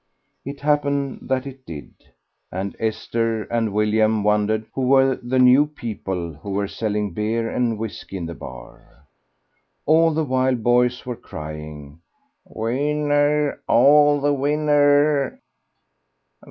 It happened that it did, and Esther and William wondered who were the new people who were selling beer and whisky in the bar? All the while boys were crying, "Win ner, all the win ner!"